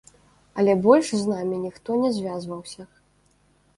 Але больш з намі ніхто не звязваўся.